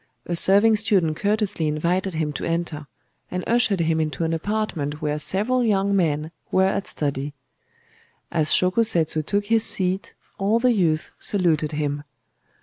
A serving student courteously invited him to enter, and ushered him into an apartment where several young men were at study. As Shōko Setsu took his seat, all the youths saluted him.